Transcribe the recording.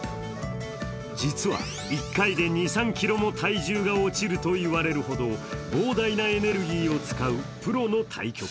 実は、１回で２３ｋｇも体重が落ちるといわれるほど膨大なエネルギーを使うプロの対局。